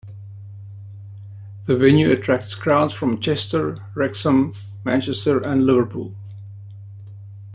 The venue attracts crowds from Chester, Wrexham, Manchester and Liverpool.